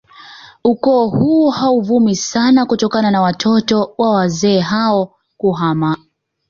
Ukoo huu hauvumi sana kutokana na watoto wa wazee hao kuhama